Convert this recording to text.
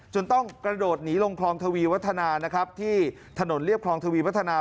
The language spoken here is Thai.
จนต้องกระโดดหนีลงคลองทวีวัฒนานะครับที่ถนนเรียบคลองทวีวัฒนา